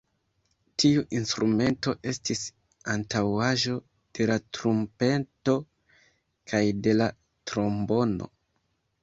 Tiu instrumento estis antaŭaĵo de la trumpeto kaj de la trombono.